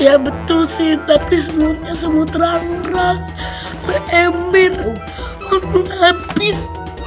ya betul sih tapi semutnya semut rang rang se em in mumpung habis